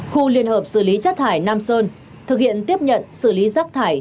khu liên hợp xử lý chất thải nam sơn thực hiện tiếp nhận xử lý rác thải